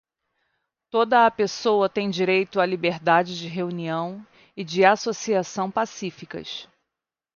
Toda a pessoa tem direito à liberdade de reunião e de associação pacíficas.